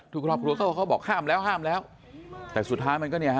ทุกครอบครัวเขาก็เขาบอกห้ามแล้วห้ามแล้วแต่สุดท้ายมันก็เนี่ยฮ